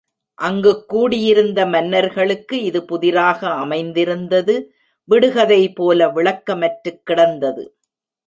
அங்குக் கூடியிருந்த மன்னர்களுக்கு இது புதிராக அமைந்திருந்தது விடுகதை போல விளக்கமற்றுக் கிடந்தது.